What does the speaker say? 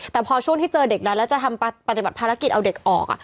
แต่พอช่วงที่เจอเด็กแล้วจะทำปฏิบัติภารกิจเอาเด็กออก